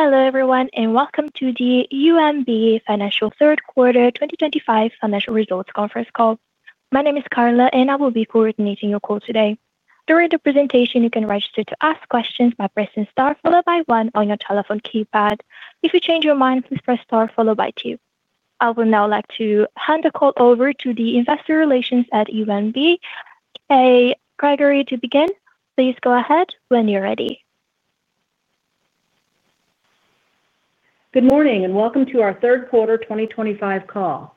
Hello everyone and welcome to the UMB Financial third quarter 2025 financial results conference call. My name is Carla and I will be coordinating your call today. During the presentation you can register to ask questions by pressing star followed by one on your telephone keypad. If you change your mind, please press star followed by two. I would now like to hand the call over to the Investor Relations at UMB, Kay Gregory, to begin. Please go ahead when you're ready. Good morning and welcome to our third quarter 2025 call.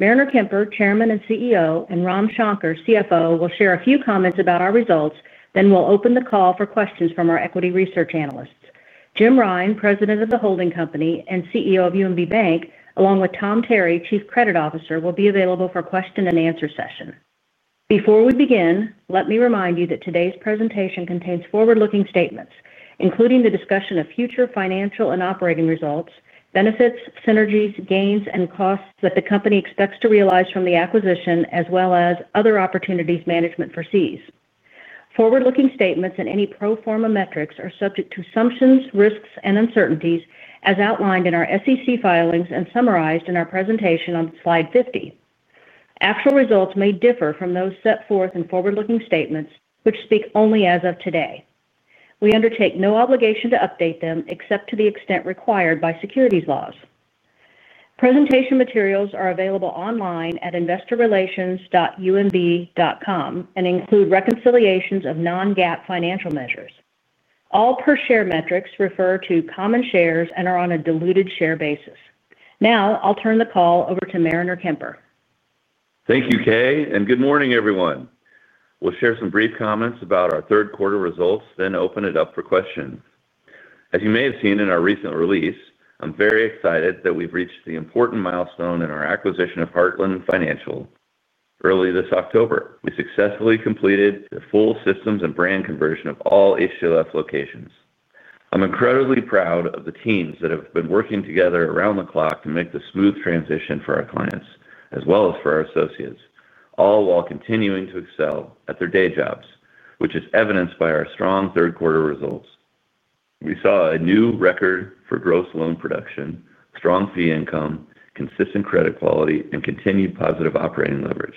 Mariner Kemper, Chairman and CEO, and Ram Shankar, CFO, will share a few comments about our results. We'll open the call for questions from our equity research analysts. Jim Rine, President of the holding company and CEO of UMB Bank, along with Tom Terry, Chief Credit Officer, will be available for the question-and-answer session. Before we begin, let me remind you that today's presentation contains forward-looking statements including the discussion of future financial and operating results, benefits, synergies, gains and costs that the company expects to realize from the acquisition, as well as other opportunities management foresees. Forward-looking statements and any pro forma metrics are subject to assumptions, risks and uncertainties as outlined in our SEC filings and summarized in our presentation on slide 50. Actual results may differ from those set forth in forward-looking statements which speak only as of today. We undertake no obligation to update them except to the extent required by securities laws. Presentation materials are available online at investorrelations.umb.com and include reconciliations of non-GAAP financial measures. All per share metrics refer to common shares and are on a diluted share basis. Now I'll turn the call over to Mariner Kemper. Thank you, Kay, and good morning, everyone. We'll share some brief comments about our third quarter results, then open it up for questions. As you may have seen in our recent release, I'm very excited that we've reached the important milestone in our acquisition of Heartland Financial. Early this October, we successfully completed the full systems and brand conversion of all HTLF locations. I'm incredibly proud of the teams that have been working together around the clock to make the smooth transition for our clients as well as for our associates, all while continuing to excel at their day jobs, which is evidenced by our strong third quarter results. We saw a new record for gross loan production, strong fee income, consistent credit quality, and continued positive operating leverage.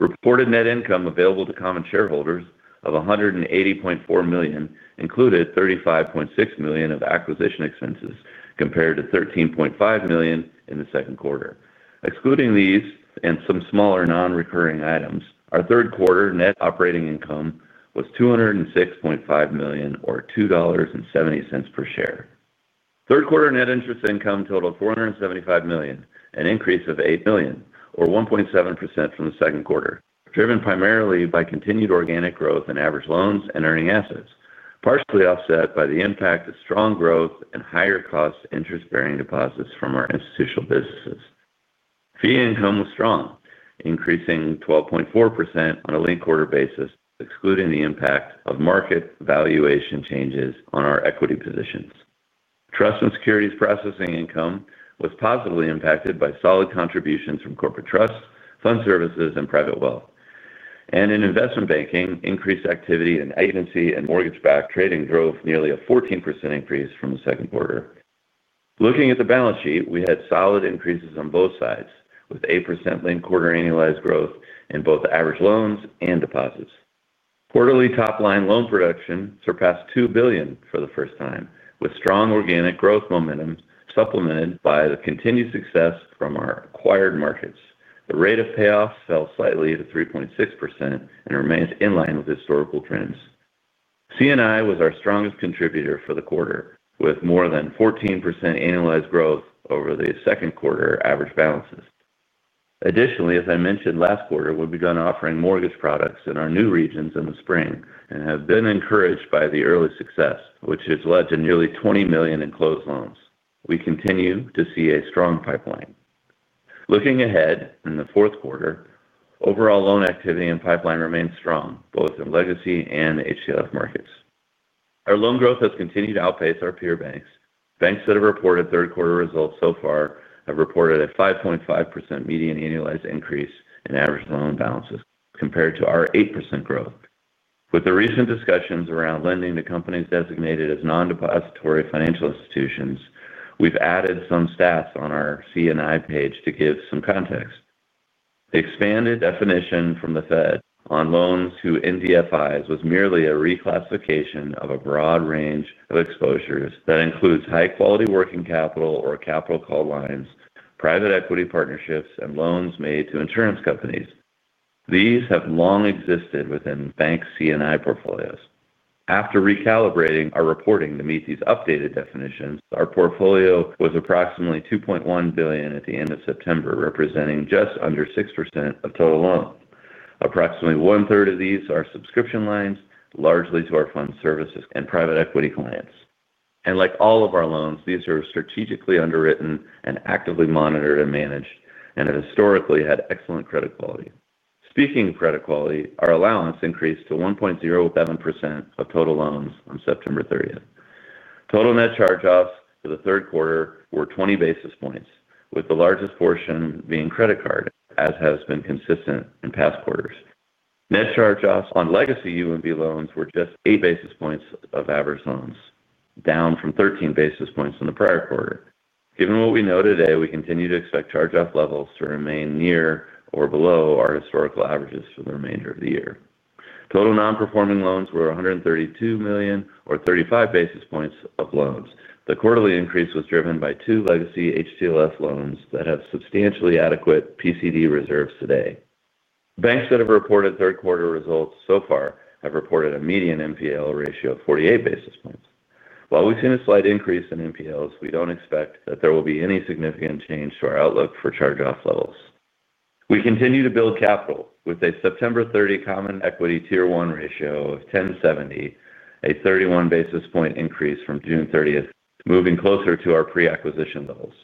Reported net income available to common shareholders of $180.4 million included $35.6 million of acquisition expenses compared to $13.5 million in the second quarter. Excluding these and some smaller nonrecurring items, our third quarter net operating income was $206.5 million or $2.70 per share. Third quarter net interest income totaled $475 million, an increase of $8 million or 1.7% from the second quarter, driven primarily by continued organic growth in average loans and earning assets, partially offset by the impact of strong growth and higher cost interest-bearing deposits from our institutional businesses. Fee income was strong, increasing 12.4% on a linked quarter basis excluding the impact of market valuation changes on our equity positions. Trust and securities processing income was positively impacted by solid contributions from corporate trust, fund services, and private wealth. In investment banking, increased activity in agency and mortgage-backed trading drove nearly a 14% increase from the second quarter. Looking at the balance sheet, we had solid increases on both sides with 8% linked quarter annualized growth in both average loans and deposits. Quarterly top line loan production surpassed $2 billion for the first time with strong organic growth momentum supplemented by the continued success from our acquired markets. The rate of payoffs fell slightly to 3.6% and remains in line with historical trends. CNI was our strongest contributor for the quarter with more than 14% annualized growth over the second quarter average balances. Additionally, as I mentioned last quarter, we began offering mortgage products in our new regions in the spring and have been encouraged by the early success which has led to nearly $20 million in closed loans. We continue to see a strong pipeline looking ahead in the fourth quarter. Overall loan activity and pipeline remains strong both in legacy and HTLF markets. Our loan growth has continued to outpace our peer banks. Banks that have reported third quarter results so far have reported a 5.5% median annualized increase in average loan balances compared to our 8% growth. With the recent discussions around lending to companies designated as non-depository financial institutions, we've added some stats on our CNI page to give some context. The expanded definition from the Fed on loans to NDFIs was merely a reclassification of a broad range of exposures that includes high quality working capital or capital call lines, private equity partnerships, and loans made to insurance companies. These have long existed within bank CNI portfolios. After recalibrating our reporting to meet these updated definitions, our portfolio was approximately $2.1 billion at the end of September, representing just under 6% of total loans. Approximately one third of these are subscription lines largely to our fund services and private equity clients. Like all of our loans, these are strategically underwritten and actively monitored and managed and historically had excellent credit quality. Speaking of credit quality, our allowance for credit losses increased to 1.07% of total loans on September 30th. Total net charge-offs for the third quarter were 20 basis points, with the largest portion being credit card. As has been consistent in past quarters, net charge-offs on legacy UMB loans were just 8 basis points of average loans, down from 13 basis points in the prior quarter. Given what we know today, we continue to expect charge-off levels to remain near or below our historical averages for the remainder of the year. Total nonperforming loans were $132 million or 35 basis points of loans. The quarterly increase was driven by two legacy HTLF loans that have substantially adequate PCD reserves today. Banks that have reported third quarter results so far have reported a median NPL ratio of 48 basis points. While we've seen a slight increase in NPLs, we don't expect that there will be any significant change to our outlook for charge-off levels. We continue to build capital with a September 30 common equity Tier 1 ratio of 10.70%, a 31 basis point increase from June 30th, moving closer to our pre-acquisition goals.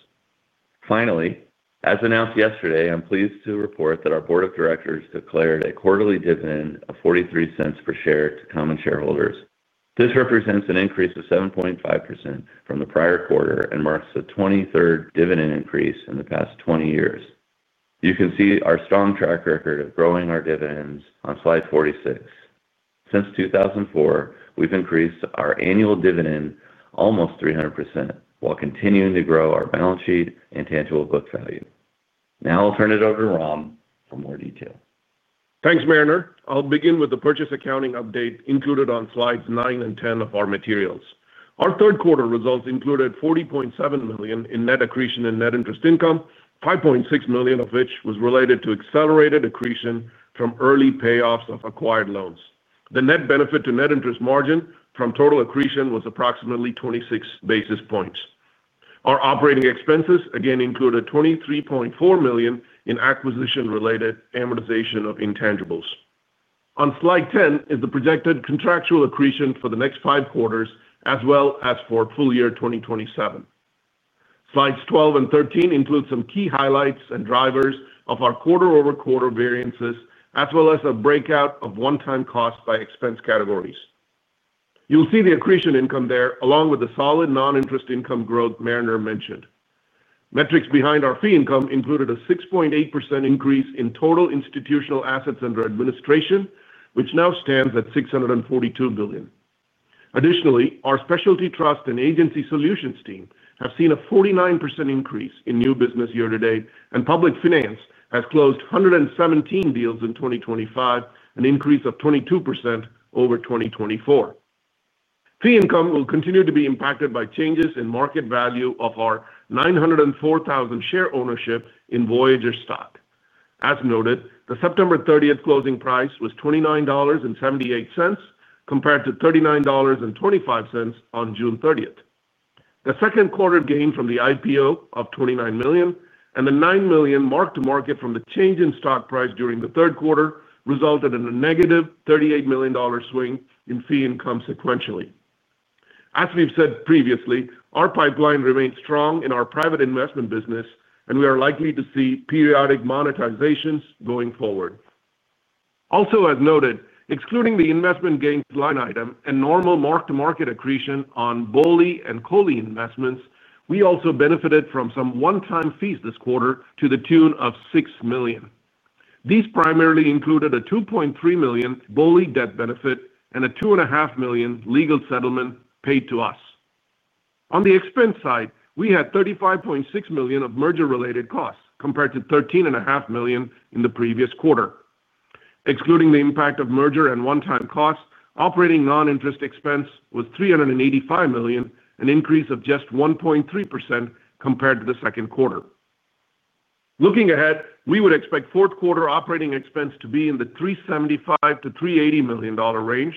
Finally, as announced yesterday, I'm pleased to report that our Board of Directors declared a quarterly dividend of $0.43 per share to common shareholders. This represents an increase of 7.5% from the prior quarter and marks the 23rd dividend increase in the past 20 years. You can see our strong track record of growing our dividends on slide 46. Since 2004 we've increased our annual dividend almost 300% while continuing to grow our balance sheet and tangible book value. Now I'll turn it over to Ram for more detail. Thanks, Mariner. I'll begin with the purchase accounting update included on slides 9 and 10 of our materials. Our third quarter results included $40.7 million in net accretion and net interest income, $5.6 million of which was related to accelerated accretion from early payoffs of acquired loans. The net benefit to net interest margin from total accretion was approximately 26 basis points. Our operating expenses again included $23.4 million in acquisition-related amortization of intangibles. On slide 10 is the projected contractual accretion for the next five quarters as well as for full year 2027. Slides 12 and 13 include some key highlights and drivers of our quarter-over-quarter variances as well as a breakout of one-time cost by expense categories. You'll see the accretion income there along with the solid noninterest income growth Mariner mentioned. Metrics behind our fee income included a 6.8% increase in total institutional assets under administration, which now stands at $642 billion. Additionally, our specialty Trust and Agency Solutions team have seen a 49% increase in new business year to date, and Public Finance has closed 117 deals in 2025, an increase of 22% over 2024. Fee income will continue to be impacted by changes in market value of our 904,000 share ownership in Voyager stock. As noted, the September 30 closing price was $29.78 compared to $39.25 on June 30. The second quarter gain from the IPO of $29 million and the $9 million mark to market from the change in stock price during the third quarter resulted in a -$38 million swing in fee income sequentially. As we've said previously, our pipeline remains strong in our private investment business and we are likely to see periodic monetizations going forward. Also as noted, excluding the investment gains line item and normal mark to market accretion on BOLI and COLI investments, we also benefited from some one-time fees this quarter to the tune of $6 million. These primarily included a $2.3 million BOLI death benefit and a $2.5 million legal settlement paid to us. On the expense side, we had $35.6 million of merger-related costs compared to $13.5 million in the previous quarter. Excluding the impact of merger and one-time cost, operating noninterest expense was $385 million, an increase of just 1.3% compared to the second quarter. Looking ahead, we would expect fourth quarter operating expense to be in the $375 million-$380 million range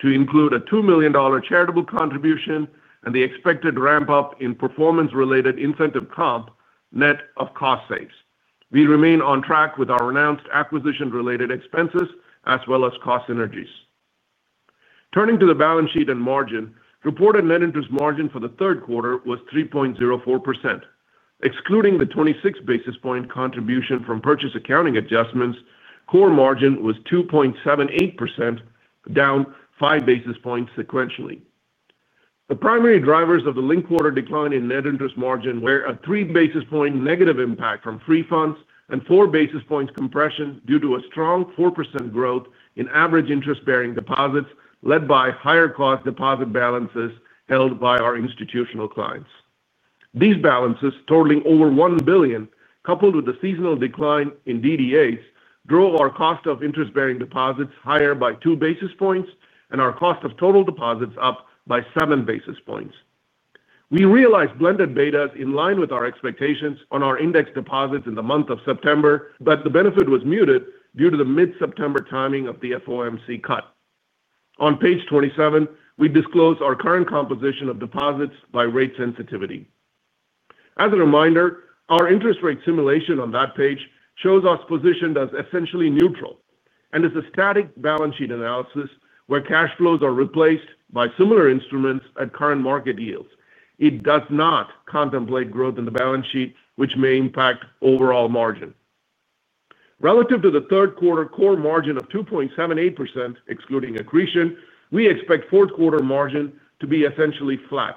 to include a $2 million charitable contribution and the expected ramp up in performance related incentive comp net of cost saves. We remain on track with our announced acquisition related expenses as well as cost synergies. Turning to the balance sheet and margin, reported net interest margin for the third quarter was 3.04% excluding the 26 basis point contribution from purchase accounting adjustments. Core margin was 2.78%, down 5 basis points sequentially. The primary drivers of the linked quarter decline in net interest margin were a 3 basis point negative impact from free funds and 4 basis points compression due to a strong 4% growth in average interest bearing deposits led by higher cost deposit balances held by our institutional clients. These balances totaling over $1 billion, coupled with the seasonal decline in DDAs, drove our cost of interest bearing deposits higher by 2 basis points and our cost of total deposits up by 7 basis points. We realized blended betas in line with our expectations on our index deposits in the month of September. The benefit was muted due to the mid-September timing of the FOMC cut. On page 27, we disclose our current composition of deposits by rate sensitivity. As a reminder, our interest rate simulation on that page shows us positioned as essentially neutral and is a static balance sheet analysis where cash flows are replaced by similar instruments at current market yields. It does not contemplate growth in the balance sheet, which may impact overall margin relative to the third quarter core margin of 2.78% excluding accretion. We expect fourth quarter margin to be essentially flat.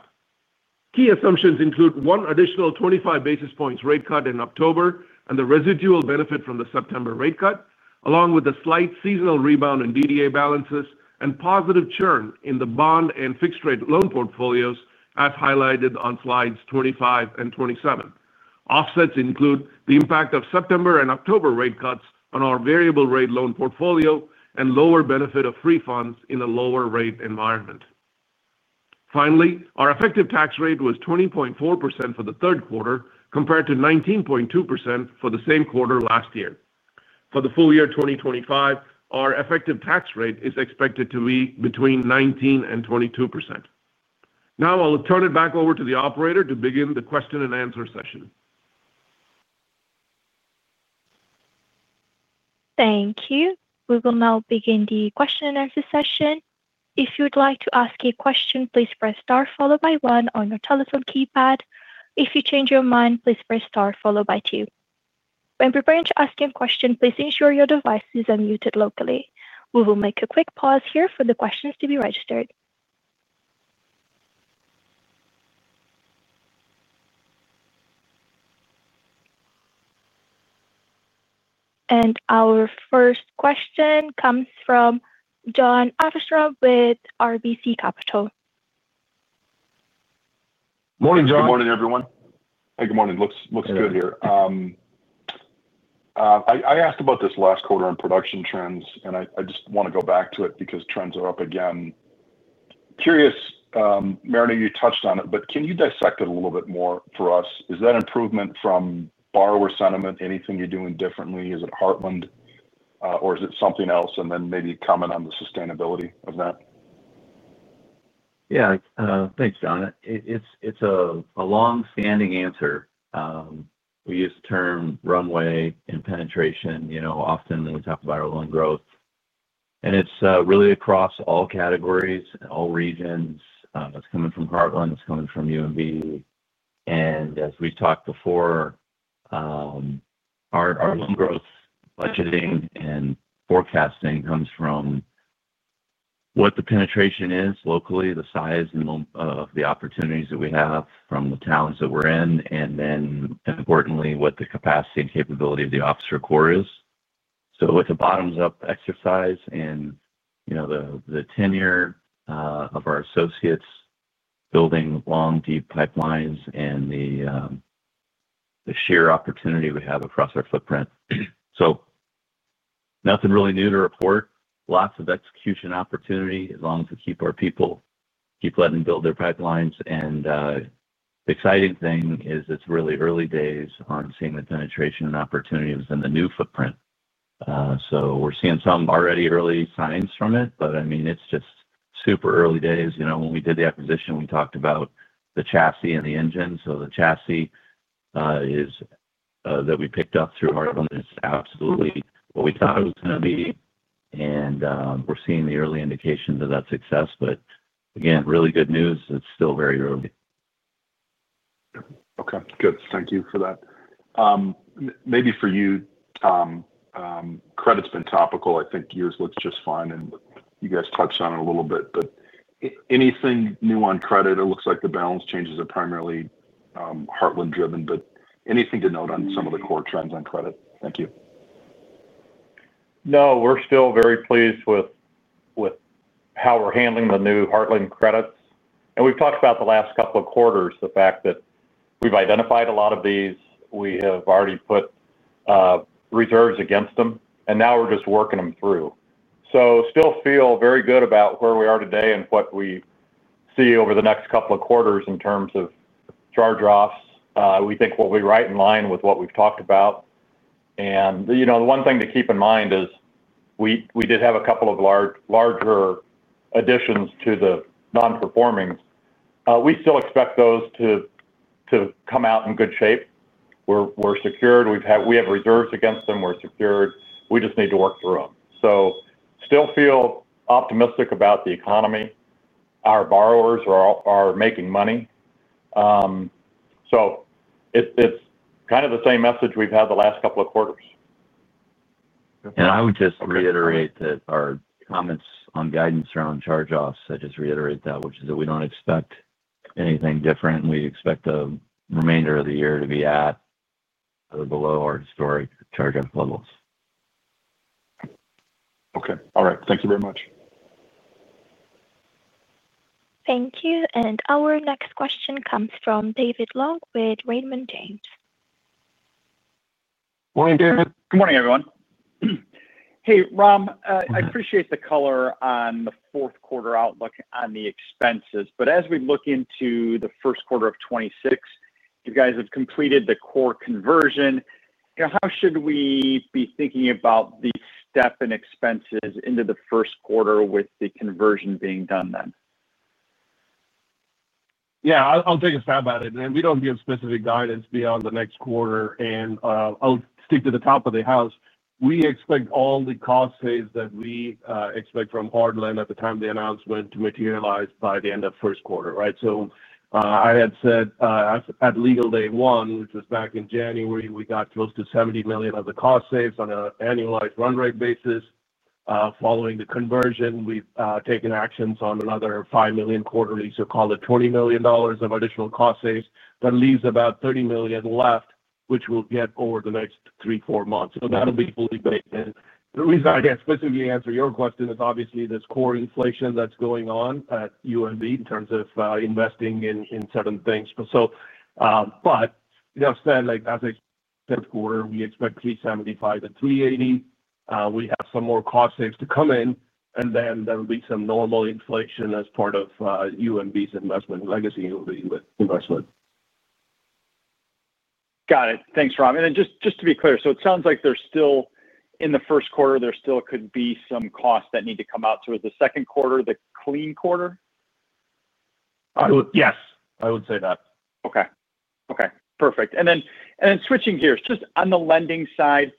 Key assumptions include one additional 25 basis points rate cut in October and the residual benefit from the September rate cut along with a slight seasonal rebound in DDA balances and positive churn in the bond and fixed rate loan portfolios as highlighted on slides 25 and 27. Offsets include the impact of September and October rate cuts on our variable rate loan portfolio and lower benefit of free funds in a lower rate environment. Finally, our effective tax rate was 20.4% for the third quarter compared to 19.2% for the same quarter last year. For the full year 2025, our effective tax rate is expected to be between 19% and 22%. Now I'll turn it back over to the operator to begin the question-and-answer session. Thank you. We will now begin the question-and-answer session. If you would like to ask a question, please press star followed by one on your telephone keypad. If you change your mind, please press star followed by two. When preparing to ask a question, please ensure your devices are muted locally. We will make a quick pause here for the questions to be registered. Our first question comes from Jon Arfstrom with RBC Capital. Morning, Jon. Good morning, everyone. Good morning. Looks good here. I asked about this last quarter on production trends, and I just want to go back to it because trends are up again. Curious. Mariner, you touched on it, but can you dissect it a little bit more for us? Is that improvement from borrower sentiment? Anything you're doing differently? Is it Heartland or is it something else? Could you comment on the sustainability of that? Yeah, thanks, Jon. It's a long-standing answer. We use the term runway and penetration often when we talk about our loan growth, and it's really across all categories, all regions. It's coming from Heartland, it's coming from UMB. As we talked before, our loan growth budgeting and forecasting comes from what the penetration is locally, the size of the opportunities that we have from the towns that we're in, and then importantly what the capacity and capability of the officer corps is. With the bottoms-up exercise and the tenure of our associates, building long, deep pipelines and the sheer opportunity we have across our footprint, nothing really new to report. Lots of execution opportunity as long as we keep our people, keep letting them build their pipelines. The exciting thing is it's really early days on seeing the penetration and opportunities in the new footprint. We're seeing some already early signs from it. I mean, it's just super early days. When we did the acquisition, we talked about the chassis and the engine. The chassis that we picked up through Heartland is absolutely what we thought it was going to be, and we're seeing the early indications of that success. Really good news. It's still very early. Okay, good. Thank you for that. Maybe for you, Tom, credit's been topical. I think yours looks just fine and you guys touched on it a little bit. Anything new on credit? It looks like the balance changes are primarily Heartland driven. Anything to note on some of the core trends on credit? Thank you. No, we're still very pleased with how we're handling the new Heartland credits. We have talked about the last couple of quarters, the fact that we've identified a lot of these. We have already put reserves against them, and now we're just working them through. We still feel very good about where we are today and what we see over the next couple of quarters in terms of charge-offs, we think. We'll be right in line with what we've talked about. The one thing to keep in mind is we did have a couple of larger additions to the nonperforming. We still expect those to come out in good shape. We're secured. We have reserves against them. We're secured. We just need to work through them. I still feel optimistic about the economy. Our borrowers are making money, so it's kind of the same message. We've had the last couple of quarters. I would just reiterate that our comments on guidance around charge offs, I just reiterate that, which is that we don't expect anything different. We expect the remainder of the year to be at below our historic charge off levels. Okay. All right, thank you very much. Thank you. Our next question comes from David Long with Raymond James. Morning, David. Good morning, everyone. Hey, Ram. I appreciate the color on the fourth quarter outlook on the expenses. As we look into first quarter of 2026, you guys have completed the core conversion. How should we be thinking about the step in expenses into the first quarter with the conversion being done then? Yeah, I'll take a stab at it. We don't give specific guidance beyond the next quarter. I'll stick to the top of the house. We expect all the cost saves that we expect from Heartland at the time of the announcement to materialize by the end of first quarter. I had said at legal day one, which was back in January, we got close to $70 million of the cost saves on an annualized run rate basis following the conversion. We've taken actions on another $5 million quarterly, so call it $20 million of additional cost saves, which leaves about $30 million left, which we'll get over the next 3 or 4 months. That'll be fully baked. The reason I can't specifically answer your question is obviously this core inflation that's going on at UMB in terms of investing in certain things. As I said, quarter, we expect $375 million and $380 million, we have some more cost saves to come in and then there'll be some normal inflation as part of UMB's investment legacy. Got it. Thanks, Ram. Just to be clear, so it sounds like there's still, in the first quarter, there still could be some costs that need to come out. Is the second quarter the clean quarter? Yes, I would say that. Okay, perfect. Switching gears just on the lending side,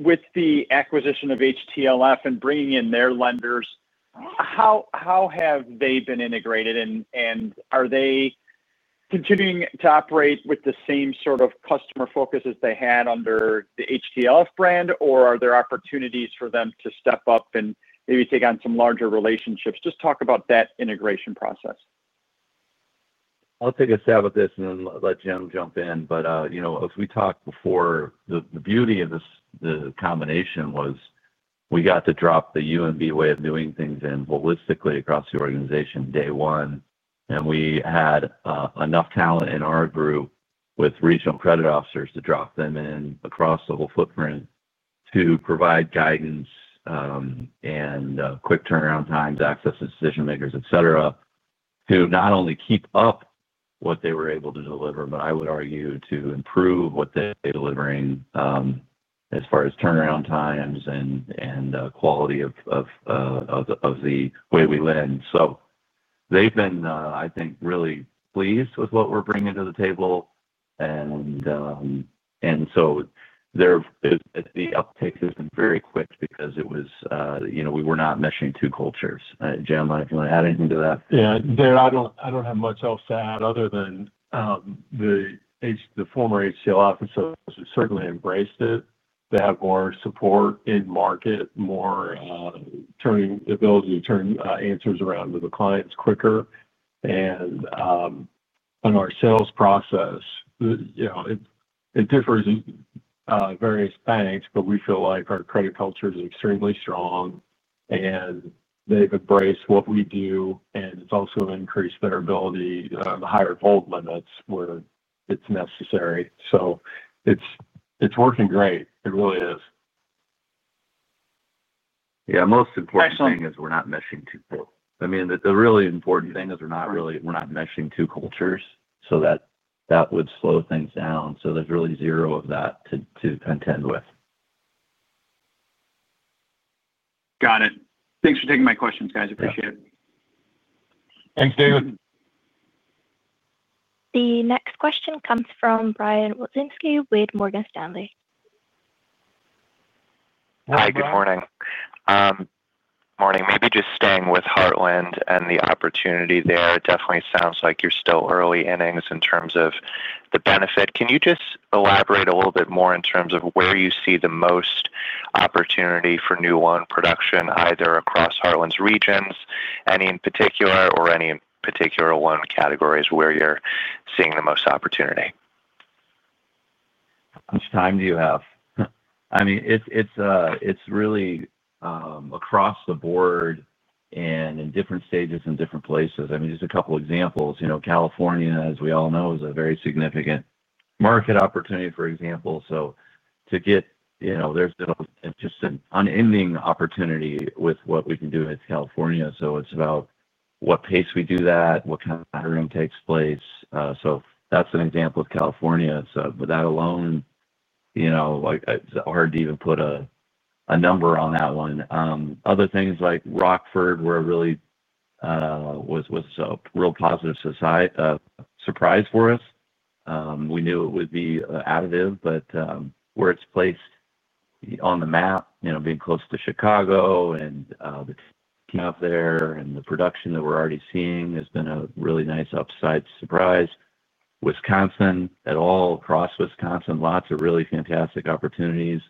with the acquisition of HTLF and bringing in their lenders, how have they been integrated and are they continuing to operate with the same sort of customer focus as they had under the HTLF brand, or are there opportunities for them to step up and maybe take on some larger relationships? Just talk about that integration process. I'll take a stab at this and then let Jim jump in. As we talked before, the beauty of this combination was we got to drop the UMB way of doing things in holistically across the organization day one. We had enough talent in our group with Regional Credit Officers to drop them in across the whole footprint to provide guidance and quick turnaround times, access to decision makers, et cetera, to not only keep up what they were able to deliver, but I would argue to improve what they're delivering as far as turnaround times and quality of the way we lend. They've been, I think, really pleased with what we're bringing to the table. The uptake has been very quick because it was, you know, we were not meshing two cultures. Jim, if you want to add anything to that. Yeah, I don't have much else to add other than the former HTLF officers certainly embraced it. They have more support in market, more ability to turn answers around to the clients quicker. On our sales process, you know. It differs in various banks, but we feel like our credit culture is extremely strong and they've embraced what we do, and it's also increased their ability, the higher volt limits where it's necessary. It's working great. It really is. Yes. The most important thing is we're not meshing too far. I mean, the really important thing is we're not really, we're not meshing two cultures. That would slow things down. There's really zero of that to contend with. Got it. Thanks for taking my questions, guys. I appreciate it. Thanks, David. The next question comes from Brian Wilczynski with Morgan Stanley. Hi, good morning. Morning. Maybe just staying with Heartland and the opportunity there. It definitely sounds like you're still early innings in terms of the benefit. Can you just elaborate a little bit more in terms of where you see the most opportunity for new loan production, either across Heartland's regions, any in particular or any particular loan categories, where you're seeing the most opportunity. How much time do you have? I mean, it's really across the board and in different stages in different places. Just a couple examples, you know, California as we all know is a very significant market opportunity, for example. To get, you know, there's just an unending opportunity with what we can do with California. It's about what pace we do that, what kind of patterning takes place. That's an example of California. That alone, you know, it's hard to even put a number on that one. Other things like Rockford were a real positive surprise for us. We knew it would be additive but where it's placed on the map, you know, being close to Chicago and the out there and the production that we're already seeing has been a really nice upside surprise. Wisconsin, all across Wisconsin, lots of really fantastic opportunities.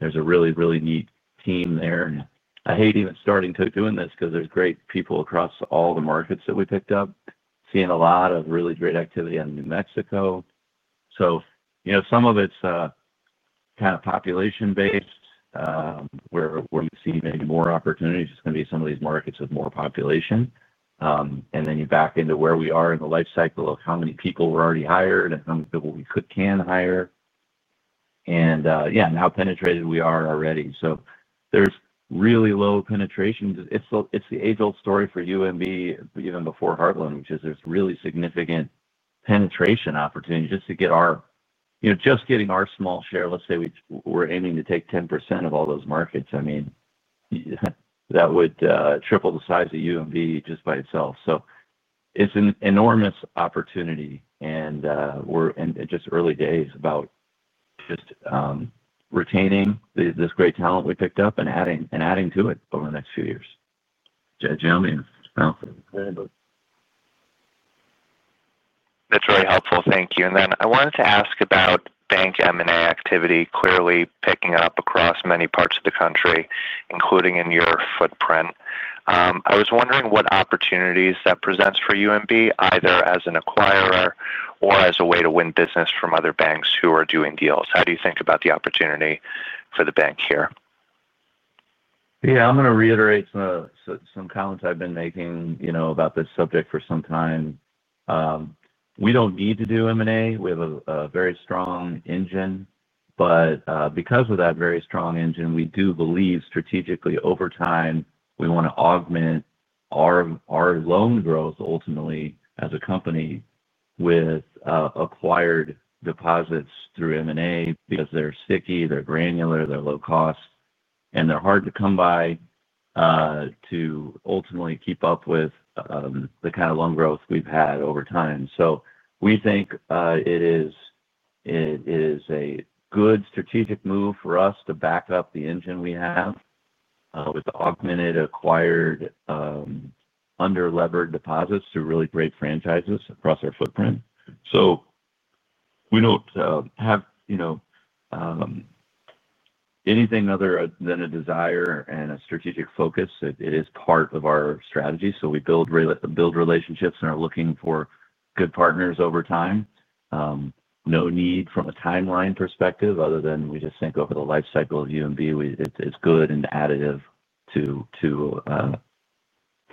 There's a really, really neat team there. I hate even starting to do this because there's great people across all the markets that we picked up seeing a lot of really great activity in New Mexico. Some of it's kind of population based where we're seeing any more opportunities, it's going to be some of these markets with more population and then you back into where we are in the life cycle of how many people were already hired and how many people we can hire and how penetrated we are already. There's really low penetration. It's the age old story for UMB even before Heartland, which is there's really significant penetration opportunity just to get our, you know, just getting our small share. Let's say we're aiming to take 10% of all those markets. That would triple the size of UMB just by itself. It's an enormous opportunity and we're in just early days about just retaining this great talent we picked up and adding and adding to it over the next few years. That's really helpful, thank you. I wanted to ask about bank M&A activity clearly picking up across many parts of the country, including in your footprint. I was wondering what opportunities that presents for UMB either as an acquirer or as a way to win business from other banks who are doing deals. How do you think about the opportunity for the bank here? Yeah, I'm going to reiterate some comments I've been making about this subject for some time. We don't need to do M&A. We have a very strong engine. Because of that very strong engine, we do believe strategically over time we want to augment our loan growth ultimately as a company with acquired deposits through M&A because they're sticky, they're granular, they're low cost, and they're hard to come by to ultimately keep up with the kind of loan growth we've had over time. We think it is a good strategic move for us to back up the engine we have with augmented acquired under levered deposits to really great franchises across our footprint. We don't have anything other than a desire and a strategic focus. It is part of our strategy. We really build relationships and are looking for good partners over time. No need from a timeline perspective other than we just think over the life cycle of UMB it's good and additive to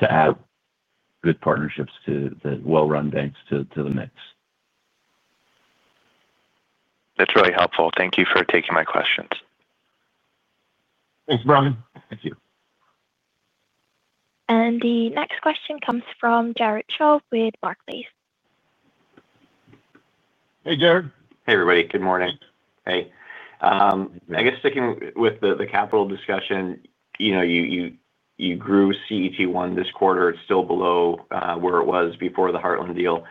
add good partnerships to the well run banks to the mix. That's really helpful. Thank you for taking my questions. Thanks, Brian. Thank you. The next question comes from Jared Shaw with Barclays. Hey Jared. Hey everybody. Good morning. Hey. I guess sticking with the capital discussion, you know you grew CET1 this quarter. It's still below where it was before the Heartland deal.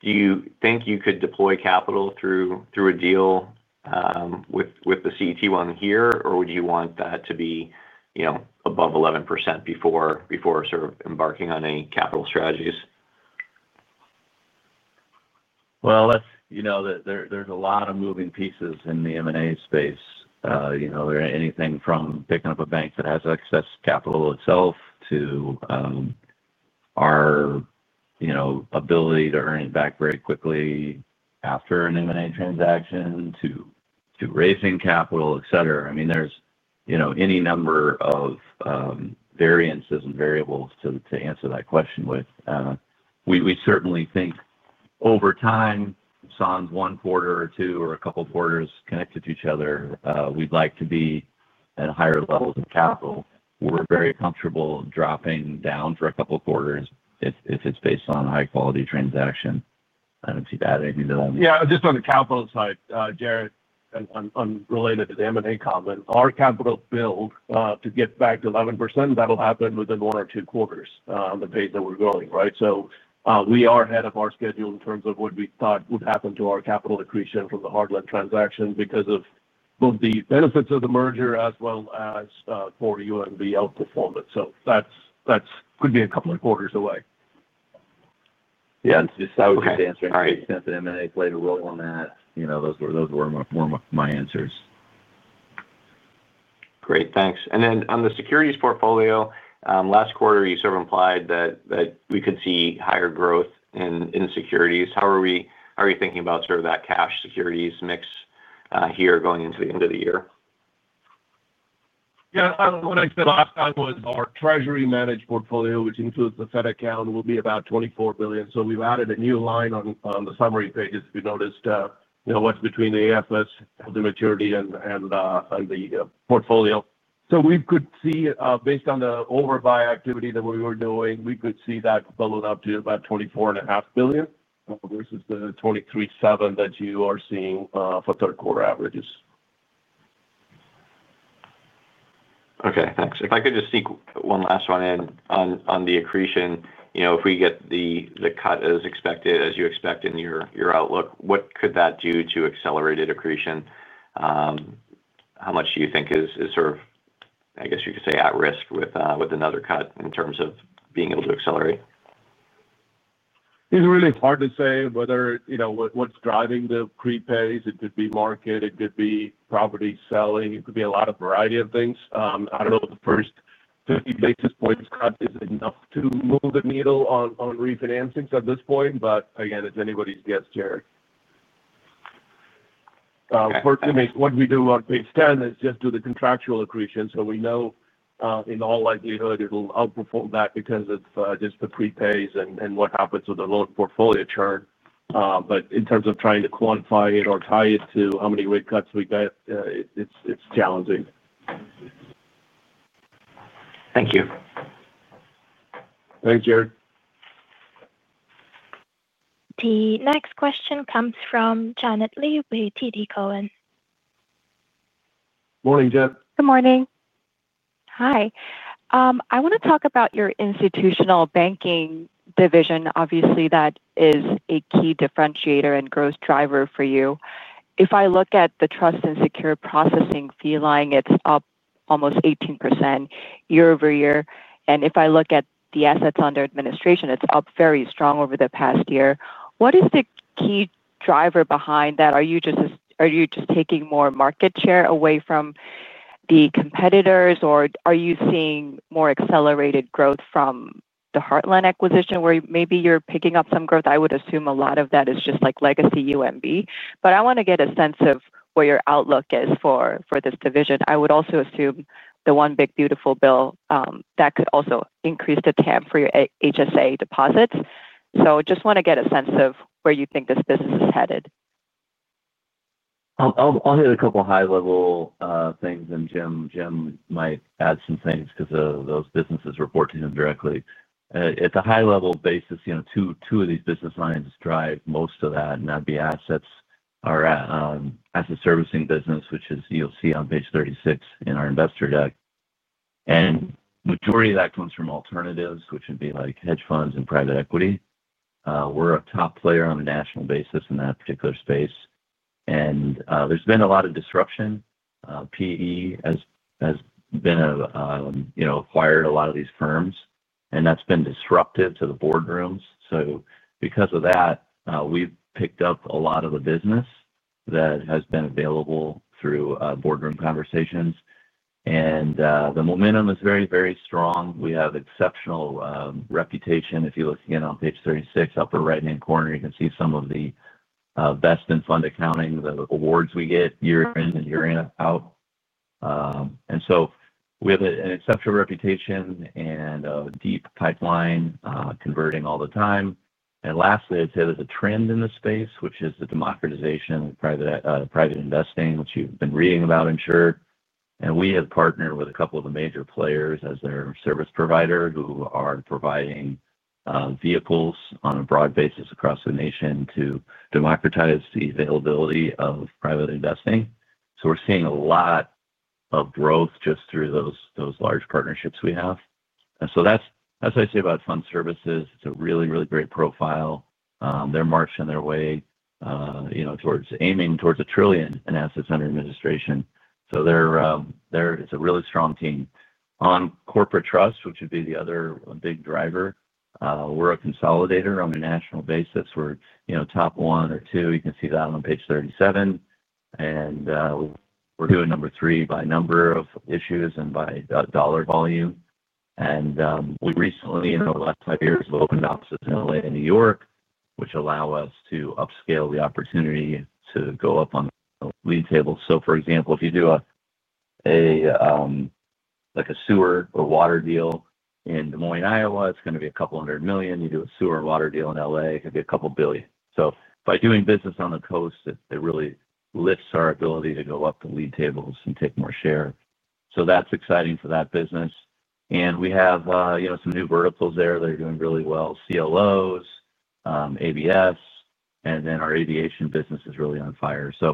Do you think you could deploy capital through a deal with the CET1 here or would you want that to be above 11% before sort of embarking on any capital strategies? There's a lot of moving pieces in the M&A space. You know, anything from picking up a bank that has excess capital itself to our ability to earn it back very quickly after an M&A transaction to raising capital, etc. I mean there's any number of variances and variables to answer that question with. We certainly think over time, sans one quarter or two or a couple quarters connected to each other, we'd like to be at higher levels of capital. We're very comfortable dropping down for a couple quarters if it's based on a high quality transaction. I don't see that anything. Yeah, just on the capital side, Jared, unrelated to the M&A comment, our capital build to get back to 11% will happen within one or two quarters on the pace that we're growing. Right. We are ahead of our schedule in terms of what we thought would happen to our capital accretion from the Heartland transaction because of both the benefits of the merger as well as for UMB outperformance. That could be a couple of quarters away. Yeah. And so the answer to the extent that M&A played a role on that, those were my answers. Great, thanks. On the securities portfolio last quarter, you sort of implied that we could see higher growth in securities. How are you thinking about that cash securities mix here going into the end of the year? Yeah, what I said last time was our treasury managed portfolio, which includes the Fed account, will be about $24 billion. We've added a new line on the summary pages. If you noticed what's AFS held to maturity and the portfolio, you could see, based on the overbuy activity that we were doing, that could balloon up to about $24.5 billion versus the $23.7 billion that you are seeing for third quarter averages. Okay, thanks. If I could just sneak one last one in on the accretion, if we get the cut as expected, as you expect in your outlook, what could that do to accelerated accretion? How much do you think is sort of, I guess you could say at risk with another cut in terms of being able to accelerate? It's really hard to say whether you know what's driving the prepays, it could be market, it could be property selling, it could be a lot of variety of things, I don't know. The first 50 basis points cut is enough to move the needle on refinancings at this point. Again, it's anybody's guess here. What we do on page 10 is just do the contractual accretion. We know in all likelihood it will outperform that because of just the prepays and what happens with the loan portfolio churn. In terms of trying to quantify it or tie it to how many rate cuts we get, it's challenging. Thank you. Thanks, Jared. The next question comes from Janet Lee with TD Cowen. Morning, Janet. Good morning. Hi. I want to talk about your institutional banking division. Obviously, that is a key differentiator and growth driver for you. If I look at the trust and securities processing fee line, it's up almost 18% year-over-year. If I look at the assets under administration, it's up very strong over the past year. What is the key driver behind that? Are you just taking more market share away from the competitors, or are you seeing more accelerated growth from the Heartland acquisition where maybe you're picking up some growth? I would assume a lot of that is just like legacy UMB, but I want to get a sense of what your outlook is for this division. I would also assume the one Big Beautiful Bill that could also increase the TAM for your HSA deposits. I just want to get a sense of where you think this business is headed. I'll hit a couple high level things, and Jim might add some things because those businesses report to him directly at the high-level basis. You know, two of these business lines drive most of that, and that'd be assets as a servicing business, which you'll see on page 36 in our investor deck. The majority of that comes from alternatives, which would be like hedge funds and private equity. We're a top player on a national basis in that particular space. There's been a lot of disruption. PE has acquired a lot of these firms, and that's been disruptive to the boardrooms. Because of that, we've picked up a lot of the business that has been available through boardroom conversations. The momentum is very, very strong. We have exceptional reputation. If you look again on page 36, upper right hand corner, you can see some of the best in fund accounting, the awards we get year in and year out. We have an exceptional reputation and a deep pipeline converting all the time. Lastly, I'd say there's a trend in the space, which is the democratization of private investing, which you've been reading about, and we have partnered with a couple of the major players as their service provider who are providing vehicles on a broad basis across the nation to democratize the availability of private investing. We're seeing a lot of growth just through those large partnerships we have. As I say about fund services, it's a really, really great profile. They're marching their way towards aiming towards a trillion in assets under administration. It's a really strong team. On corporate trust, which would be the other big driver, we're a consolidator on a national basis. We're top one or two, you can see that on page 37. We're doing number three by number of issues and by dollar volume. We recently, in the last five years, opened offices in L.A. and New York, which allow us to upscale the opportunity to go up on lead table. For example, if you do a sewer or water deal in Des Moines, Iowa, it's going to be a couple hundred million. You do a sewer water deal in L.A., it could be a couple billion. By doing business on the coast, it really lifts our ability to go up the lead tables and take more share. That's exciting for that business, and we have some new verticals there that are doing really well. CLOs, ABS, and then our aviation business is really on fire. We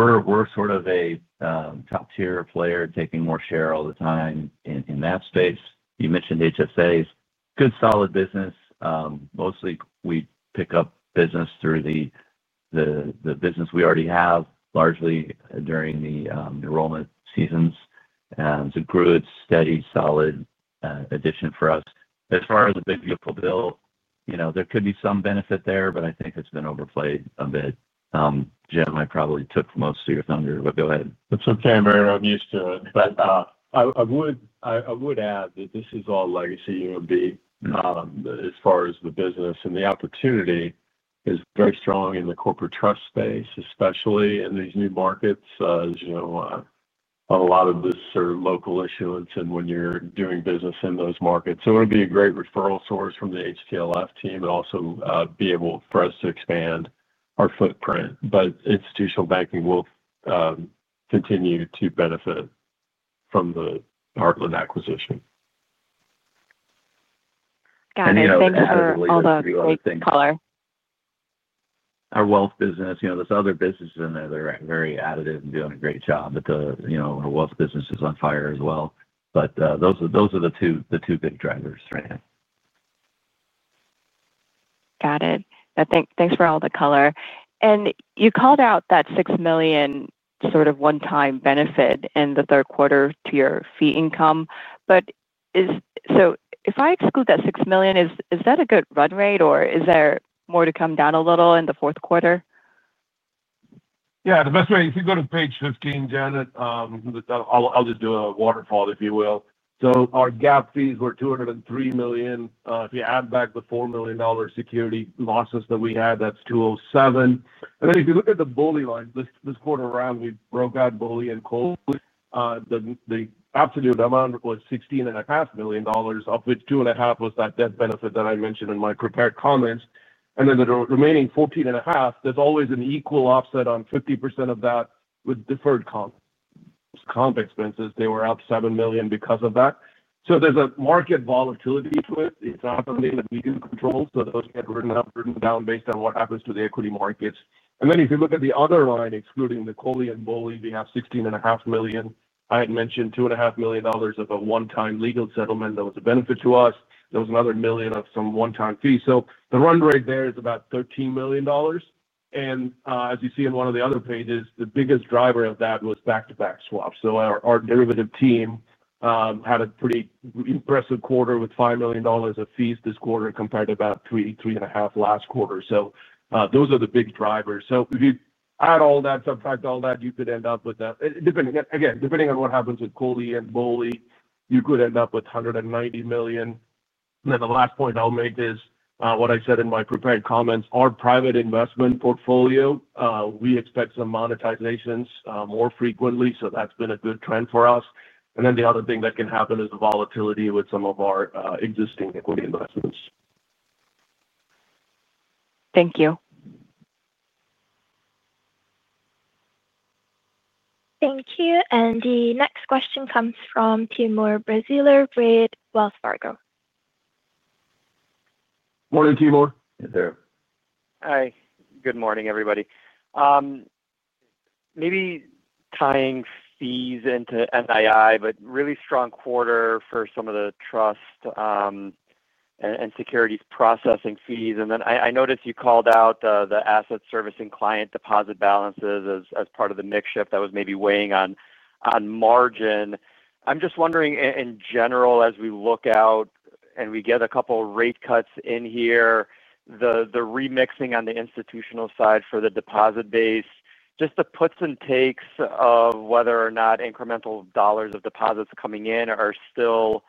are sort of a top Tier player taking more share all the time in that space you mentioned. HSA is good, solid business. Mostly we pick up business through the business we already have, largely during the enrollment seasons, and grid steady. Solid addition for us as far as the Big Beautiful Bill, you know, there could be some benefit there, but I think it's been overplayed a bit. Jim, I probably took most of your thunder, but go ahead. It's okay, Mariner, I'm used to it. This is all legacy UMB as far the business and the opportunity is very strong in the corporate trust space, especially in these new markets. As you know, a lot of this are local issuance when you're doing business in those markets. It will be a great referral source from the HTLF team and also be able for us to expand our footprint. Institutional banking will continue to benefit from the Heartland acquisition. Got it. Thanks for all the great color. Our wealth business. There are other businesses in there that are very additive and doing a great job. The wealth business is on fire as well. Those are the two big drivers, right. Got it. Thanks for all the color. You called out that $6 million sort of one-time benefit in the third quarter to your fee income. If I exclude that $6 million, is that a good run rate or is there more to come down a little in the fourth quarter? Yeah, the best way, if you go to page 15, Janet, I'll just do a waterfall if you will. Our GAAP fees were $203 million. If you add back the $4 million security losses that we had, that's $207 million. If you look at the BOLI line this quarter, we broke out BOLI and COLI. The absolute amount was $16.5 million, of which $2.5 million was that death benefit that I mentioned in my prepared comments. The remaining $14.5 million, there's always an equal offset on 50% of that with deferred comp expenses. They were up $7 million because of that. There's a market volatility to it. It's not something that we can control. Those get written down based on what happens to the equity markets. If you look at the other line, excluding the COLI and BOLI, we have $16.5 million. I had mentioned $2.5 million of a one-time legal settlement that was a benefit to us. There was another $1 million of some one-time fee. The run rate there is about $13 million. As you see in one of the other pages, the biggest driver of that was back-to-back swaps. Our derivative team had a pretty impressive quarter with $5 million of fees this quarter compared to about $3 million, $3.5 million last quarter. Those are the big drivers. If you add all that, subtract all that, you could end up with, depending again on what happens with COLI and BOLI, you could end up with $190 million. The last point I'll make is what I said in my prepared comments. Our private investment portfolio, we expect some monetizations more frequently. That's been a good trend for us. The other thing that can happen is the volatility with some of our existing equity investments. Thank you. Thank you. The next question comes from Timur Braziler, Wells Fargo. Morning Timor. Good morning everybody. Maybe tying fees into NII, but really strong quarter for some of the trust and securities processing fees. I noticed you called out the asset servicing client deposit balances as part of the mix shift that was maybe weighing on margin. I'm just wondering in general as we look out and we get a couple rate cuts in here, the remixing on the institutional side for the deposit base, just the puts and takes of whether or not incremental dollars of deposits coming in are still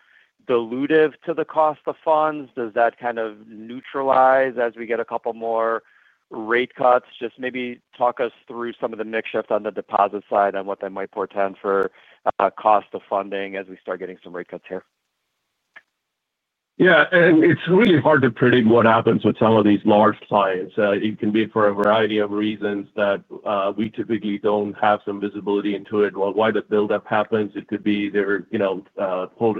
dilutive to the cost of funds that kind of neutralizes as we get a couple more rate cuts. Just maybe talk us through some of the mix shift on the deposit side and what that might portend for cost of funding as we start getting some rate cuts here? Yeah, it's really hard to predict what happens with some of these large clients. It can be for a variety of reasons that we typically don't have some visibility into it. Why the buildup happens? It could be there, you know,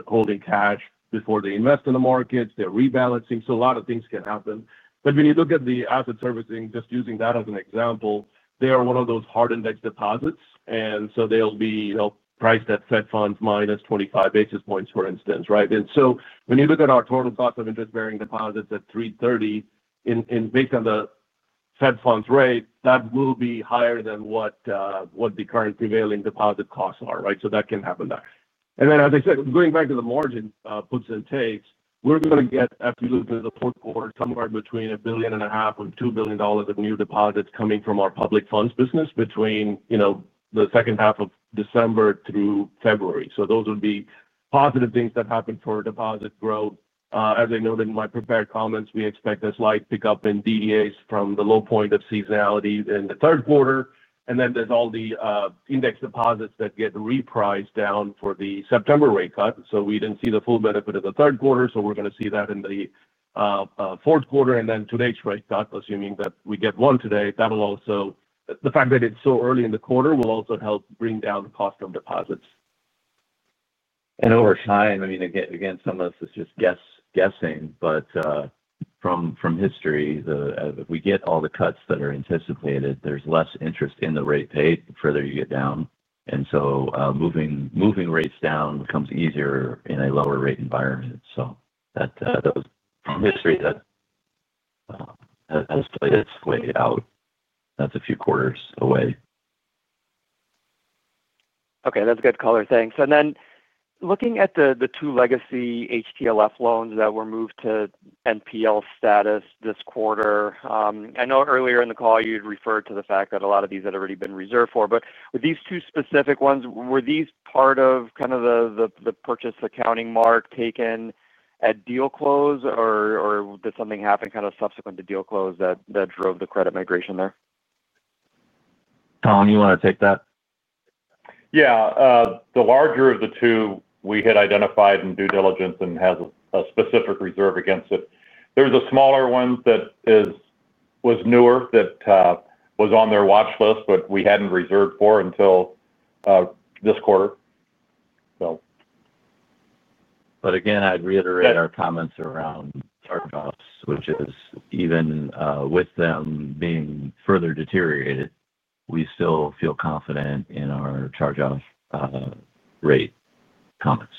holding cash before they invest in the markets, they're rebalancing. A lot of things can happen. When you look at the asset servicing, just using that as an example, they are one of those hard index deposits, and they'll be priced at Fed funds -25 basis points, for instance. Right. When you look at our total cost of interest-bearing deposits at $3.30 based on the Fed funds rate, that will be higher than what the current prevailing deposit costs are. That can happen there. As I said, going back to the margin puts and takes, we're going to get the fourth quarter somewhere between $1.5 billion and $2 billion of new deposits coming from our public funds business between the second half of December through February. Those would be positive things that happen for deposit growth. As I noted in my prepared comments, we expect a slight pickup in DDAs from the low point of seasonality in the third quarter. There are all the index deposits that get repriced down for the September rate cut. We didn't see the full benefit of the third quarter, so we're going to see that in the fourth quarter. Today's rate cut, assuming that we get one today, the fact that it's so early in the quarter will also help bring down the cost of deposits. Over time, I mean, again, some of this is just guessing, but from history, if we get all the cuts that are anticipated, there's less interest in the rate paid the further you get down, and moving rates down becomes easier in a lower rate environment. From history, that has played its way out. That's a few quarters away. Okay, that's good color. Thanks. Looking at the two legacy HTLF loans that were moved to NPL status this quarter, I know earlier in the call you'd referred to the fact that a lot of these had already been reserved for. With these two specific ones, were this part of kind of the purchase accounting mark taken at Deal Close, or did something happen kind of subsequent to Deal Close that drove the credit migration there? Tom, you want to take that? Yeah. The larger of the two we had identified in due diligence and has a specific reserve against it. There's a smaller one that was newer that was on their watch list, but we hadn't reserved for it until this quarter. Again, I'd reiterate our comments around charge offs, which is even with them being further deteriorated, we still feel confident in our charge off rate comments.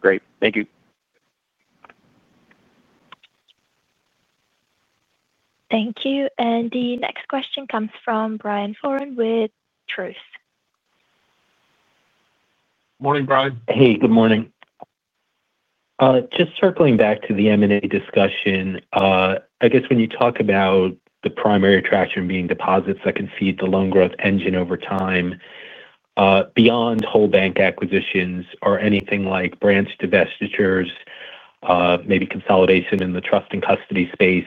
Great, thank you. Thank you. The next question comes from Brian Foran with Truist. Morning, Brian. Hey, good morning. Just circling back to the M&A discussion. I guess when you talk about the primary attraction being deposits that can feed the loan growth engine over time beyond whole bank acquisitions or anything like branch divestitures, maybe consolidation in the trust and custody space,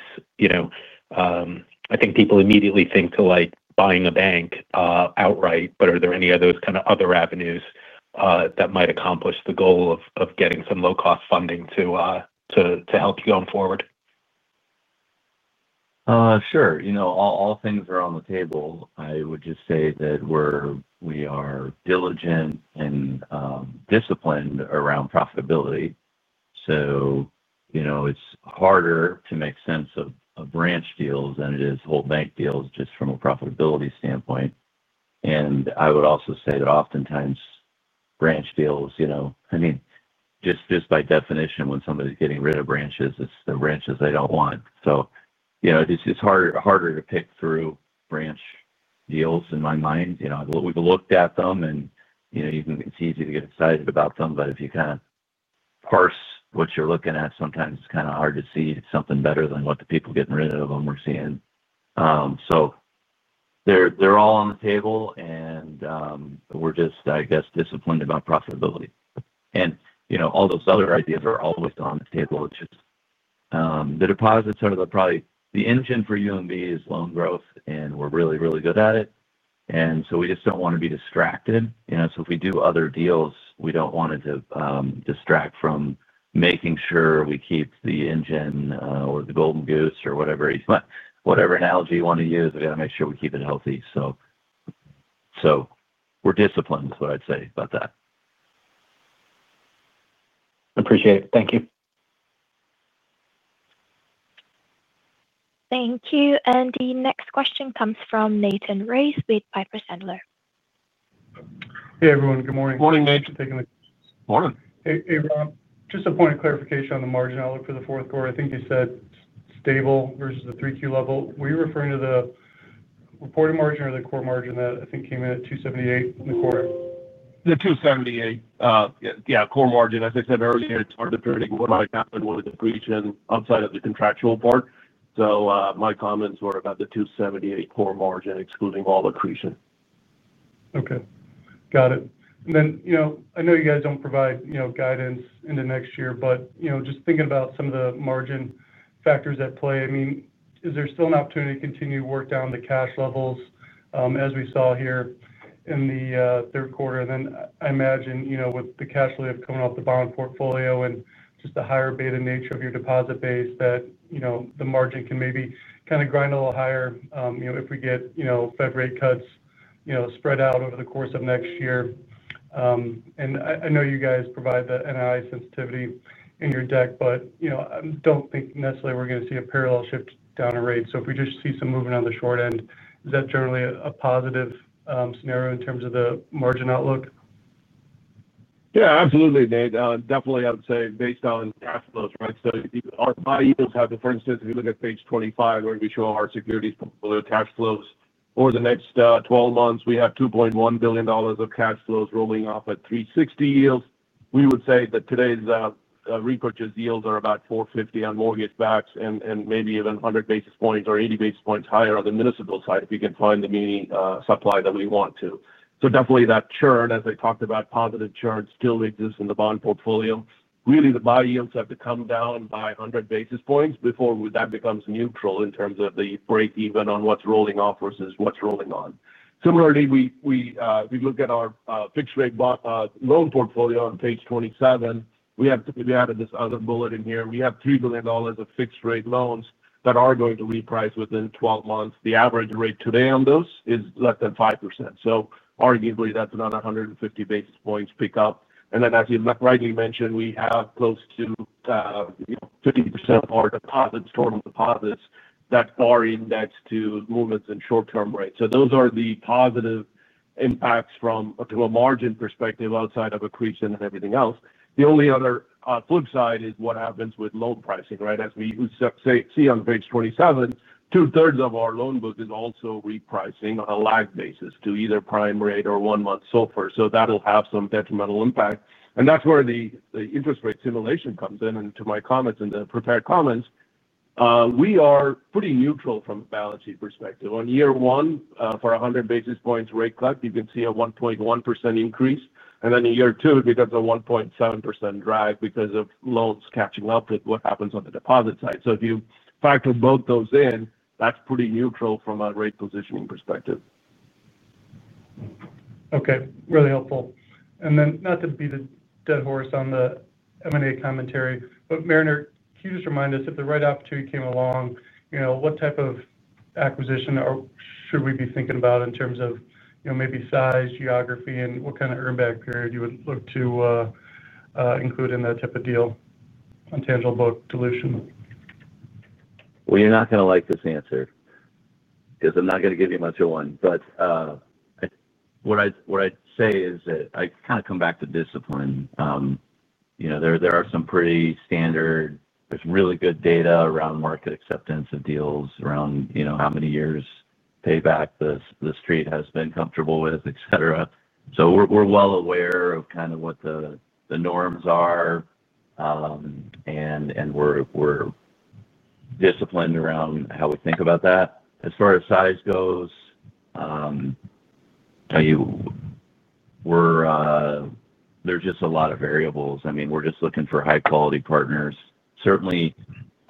I think people immediately think to like buying a bank outright. Are there any of those kind of other avenues that might accomplish the goal of getting some low-cost funding to help you going forward? Sure. All things are on the table. I would just say that we are diligent and disciplined around profitability. It's harder to make sense of branch deals than it is whole bank deals just from a profitability standpoint. I would also say that oftentimes branch deals, just by definition when somebody's getting rid of branches, it's the branches they don't want. It's harder to pick through branch deals in my mind. We've looked at them and you can, it's easy to get excited about them, but if you kind of parse what you're looking at, sometimes it's kind of hard to see something better than what the people getting rid of them are seeing. They're all on the table and we're just, I guess, disciplined about profitability and all those other ideas are always on the table. It's just the deposits are probably the engine for UMB's loan growth and we're really, really good at it. We just don't want to be distracted, you know. If we do other deals, we don't want it to distract from making sure we keep the engine or the golden goose or whatever. Whatever analogy you want to use, we've got to make sure we keep it healthy. We're disciplined. I'd say about that. Appreciate it. Thank you. Thank you. The next question comes from Nathan Race with Piper Sandler. Hey, everyone. Good morning. Morning, Nate. Hey, Ram. Just a point of clarification on the margin outlook for the fourth quarter. I think you said stable versus the 3Q level. Were you referring to the reported margin or the core margin that I think came in at 2.78% in the quarter? The 2.78%, yeah. Core margin. As I said earlier, it's harder to predict what might happen with accretion outside of the contractual part. My comments were about the 2.78% core margin excluding all accretion. Okay, got it. I know you guys don't provide guidance into next year, but just thinking about some of the margin factors at play, is there still an opportunity to continue to work down the cash levels as we saw here in the third quarter? I imagine with the cash flow coming off the bond portfolio and just the higher beta nature of your deposit base that the margin can maybe kind of grind a little higher. If we get Fed rate cuts spread out over the course of next year, and I know you guys provide the NI sensitivity in your deck, I don't think necessarily we're going to see a parallel shift down a rate. If we just see some movement on the short end, is that generally a positive scenario in terms of the margin outlook? Yeah, absolutely, Nate. Definitely. I would say, based on cash flows. Right. My yields have the. For instance, if you look at page 25, where we show our securities portfolio cash flows over the next 12 months, we have $2.1 billion of cash flows rolling off at 3.60% yields. We would say that today's repurchase yields are about 4.50% on mortgage backs and maybe even 100 basis points or 80 basis points higher on the municipal side, if you can find the meaning supply that we want to. Definitely that churn, as I talked about, positive churn still exists in the bond portfolio. Really the buy yields have to come down by 100 basis points before that becomes neutral in terms of the break even on what's rolling off versus what's rolling on. Similarly, we look at our fixed rate loan portfolio. On page 27 we have added this other bullet. In here we have $3 billion of fixed rate loans that are going to reprice within 12 months. The average rate today on those is less than 5%. Arguably that's another 150 basis points pick up. As you rightly mentioned, we have close to 50% of our deposits, total deposits that are indexed to movements in short term rates. Those are the positive impacts from a margin perspective. Outside of accretion and everything else, the only other flip side is what happens with loan pricing. As we see on page 27, 2/3 of our loan book is also repricing on a lag basis to either prime rate or one month SOFR. That will have some detrimental impact. That's where the interest rate simulation comes in. To my comments in the prepared comments, we are pretty neutral from a balance sheet perspective. On year one, for 100 basis points rate cut you can see a 1.1% increase. In year two it becomes a 1.7% drag because of loans catching up with what happens on the deposit side. If you factor both those in, that's pretty neutral from a rate positioning perspective. Okay, really helpful. Not to beat the dead horse on the M&A commentary, but Mariner, can you just remind us if the right opportunity came along, what type of acquisition should we be thinking about in terms of maybe size, geography and what kind of earn back period you would look to include in that type of deal? Intangible book dilution? You're not going to like this answer because I'm not going to give you much of one. What I'd say is that I kind of come back to discipline. There are some pretty standard, really good data around market acceptance of deals, around how many years payback the street has been comfortable with, etc. We're well aware of what the norms are and we're disciplined around how we think about that. As far as size goes, there are just a lot of variables. We're just looking for high quality partners. Certainly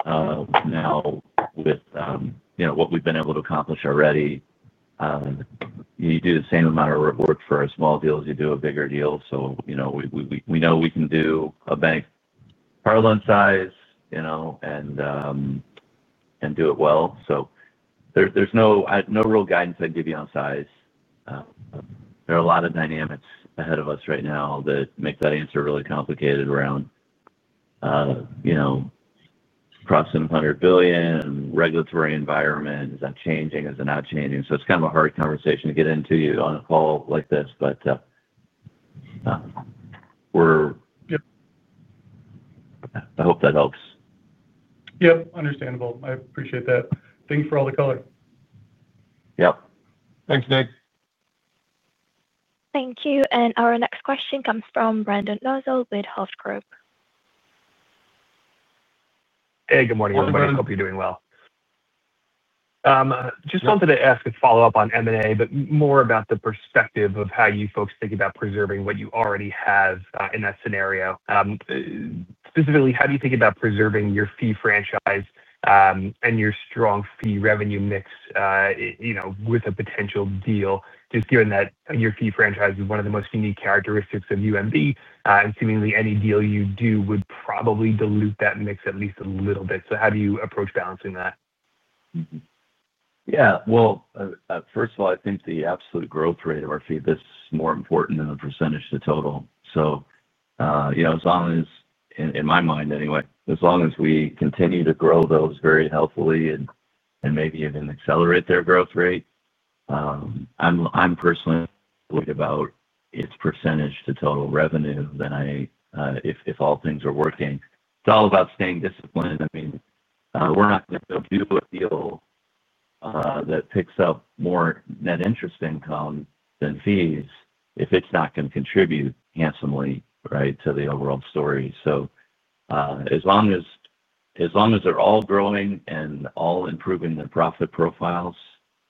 now with what we've been able to accomplish already, you do the same amount of work for a small deal as you do a bigger deal. We know we can do a bank parlance size and do it well. There's no real guidance I'd give you on size. There are a lot of dynamics ahead of us right now that make that answer really complicated around approximate $100 billion regulatory environment, is that changing? Is it not changing? It's kind of a hard conversation to get into on a call like this. I hope that helps. Yep, understandable. I appreciate that. Thank you for all the color. Yep. Thanks, Nate. Thank you. Our next question comes from Brendan Nosal with Hovde Group. Hey, good morning, everybody. Hope you're doing well. Just wanted to ask a follow up. On M&A, more about the perspective of how you folks think about preserving what you already have in that scenario. Specifically, how do you think about preserving.our fee franchise and your strong fee revenue mix, with a potential deal? Just given that your fee franchise is one of the most unique characteristics of UMB and seemingly any deal you do would probably dilute that mix at least a little bit. How do you approach balancing that? First of all, I think the absolute growth rate of our fee, that's more important than the percentage to total. As long as, in my mind anyway, as long as we continue to grow those very healthily and maybe even accelerate their growth rate, I'm personally worried about its percentage to total revenue than I. If all things are working, it's all about staying disciplined. We're not going to do a deal that picks up more net interest income than fees if it's not going to contribute handsomely to the overall story. As long as they're all growing and all improving their profit profiles,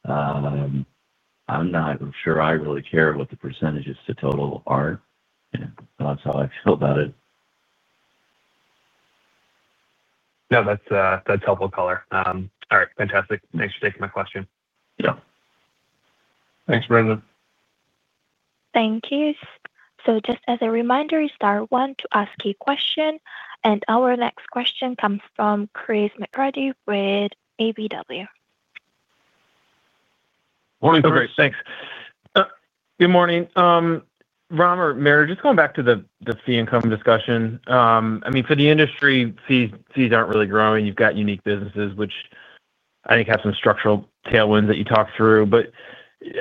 I'm not sure I really care what the percentages to total are. That's how I feel about it. No, that's helpful color. All right, fantastic. Thanks for taking my question. Yeah. Thanks, Brendan. Thank you. Just as a reminder, you start one to ask a question. Our next question comes from Chris McGratty with KBW. Morning Chris. Thanks. Good morning, Ram or Mariner. Just going back to the fee income discussion. I mean, for the industry, fees aren't really growing. You've got unique businesses, which I think have some structural tailwinds that you talked through.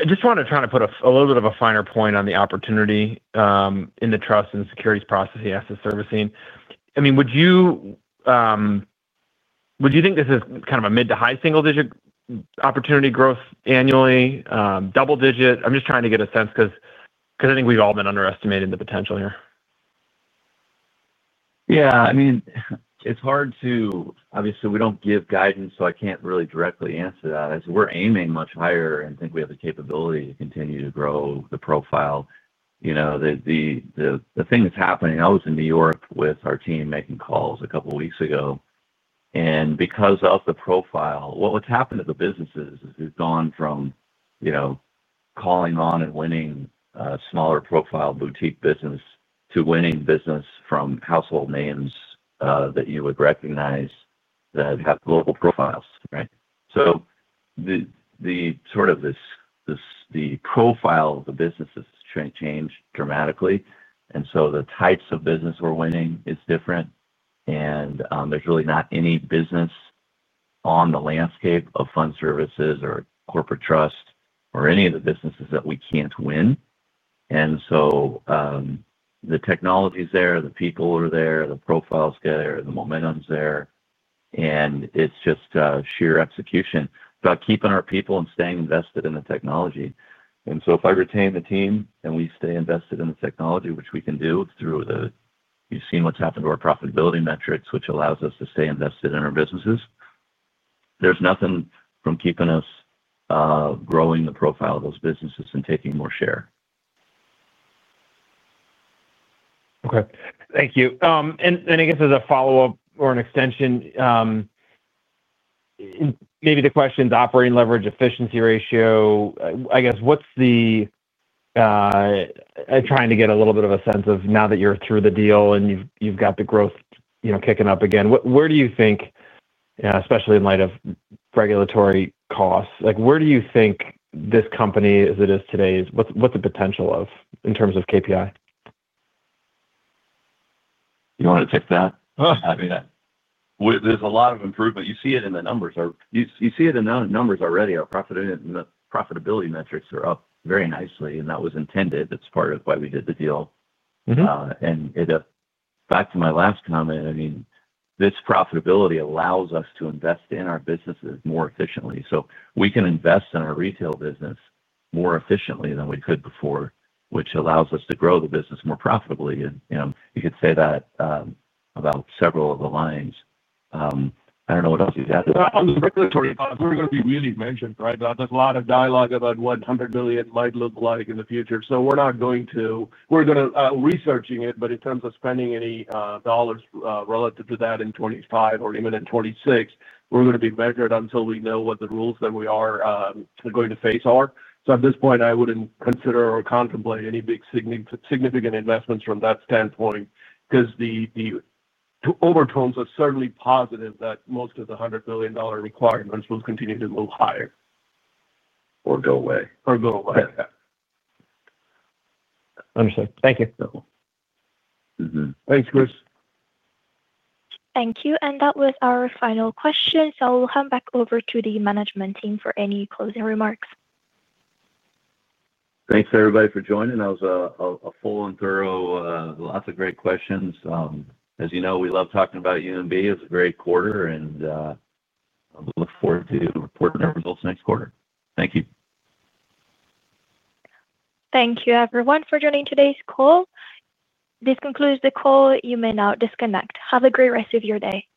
I just want to try to put a little bit of a finer point on the opportunity in the trust and securities processing, the asset servicing. Would you think this is kind of a mid to high single digit opportunity growth annually, double digit? I'm just trying to get a sense because I think we've all been underestimating the potential here. Yeah, I mean, it's hard to. Obviously we don't give guidance, so I can't really directly answer that as we're aiming much higher and think we have a capability to continue to grow the profile. The thing that's happening, I was in New York with our team making calls a couple weeks ago, and because of the profile, what's happened to the business is we've gone from calling on and winning smaller profile boutique business to winning business from household names that you would recognize that have global profiles. Right. The profile of the business has changed dramatically, and the types of business we're winning is different, and there's really not any business on the landscape of fund services or corporate trust or any of the businesses that we can't win. The technology's there, the people are there, the profile's there, the momentum's there, and it's just sheer execution about keeping our people and staying invested in the technology. If I retain the team and we stay invested in the technology, which we can do through the, you've seen what's happened to our profitability metrics, which allows us to stay invested in our businesses, there's nothing keeping us from growing the profile of those businesses and taking more share. Okay, thank you. I guess as a follow up or an extension, maybe the question is operating leverage, efficiency ratio. I guess what's the trying to get a little bit of a sense of now that you're through the deal and you've got the growth kicking up again, where do you think, especially in light of regulatory costs, where do you think this company as it is today, what's the potential of in terms of KPI? You want to take that. I mean there's a lot of improvement. You see it in the numbers, you see it in numbers already. Our profitability metrics are up very nicely and that was intended, that's part of why we did the deal. Back to my last comment, this profitability allows us to invest in our businesses more efficiently so we can invest in our retail business more efficiently than we could before, which allows us to grow the business more profitably. You could say that about several of the lines. I don't know what else you got. We're going to be really mentioned. Right. There's a lot of dialogue about what $100 million might look like in the future. We're going to be researching it. In terms of spending any dollars relative to that in 2025 or even in 2026, we're going to be measured until we know what the rules that we are going to face are. At this point, I wouldn't consider or contemplate any big, significant investments from that standpoint because the overtones are certainly positive that most of the $100 billion requirements will continue to move higher or go away. Understood. Thank you. Thanks, Chris. Thank you. That was our final question. I'll hand back over to the management team for any closing remarks. Thanks, everybody, for joining. That was a full and thorough, lots of great questions. As you know, we love talking about UMB. It was a great quarter and look forward to reporting our results next quarter. Thank you. Thank you, everyone, for joining today's call. This concludes the call. You may now disconnect. Have a great rest of your day.